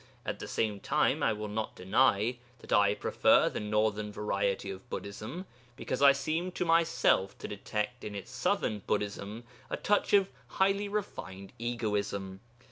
At the same time I will not deny that I prefer the northern variety of Buddhism, because I seem to myself to detect in the southern Buddhism a touch of a highly refined egoism.